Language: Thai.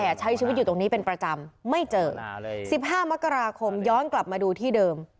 ใช้ชีวิตอยู่ตรงนี้เป็นประจำไม่เจอสิบห้ามกราคมย้อนกลับมาดูที่เดิม